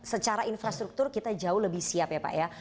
secara infrastruktur kita jauh lebih siap ya pak ya